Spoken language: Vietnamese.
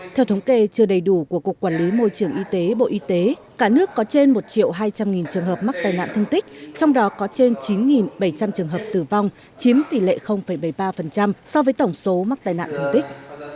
theo thống kê chưa đầy đủ của cục quản lý môi trường y tế bộ y tế cả nước có trên một hai trăm linh trường hợp mắc tai nạn thương tích trong đó có trên chín bảy trăm linh trường hợp tử vong chiếm tỷ lệ bảy mươi ba so với tổng số mắc tai nạn thương tích